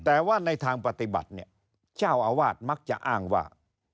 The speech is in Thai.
แต่ว่าในทางปฏิบัติเนี่ยเจ้าอาวาสมักจะอ้างว่า